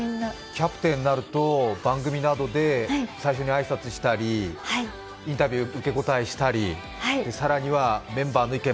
キャプテンになると番組なんかで最初に挨拶したりインタビュー受け答えしたり、更にはメンバーの意見